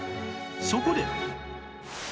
そこで